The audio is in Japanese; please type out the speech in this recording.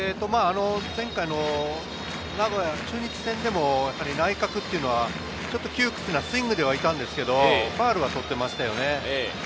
前回の中日戦でも、内角はちょっと窮屈なスイングだったんですけれど、ファウルが取っていましたよね。